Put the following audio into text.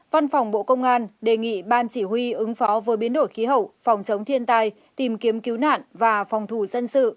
văn phòng bộ công an đề nghị ban chỉ huy ứng phó với biến đổi khí hậu phòng chống thiên tai tìm kiếm cứu nạn và phòng thủ dân sự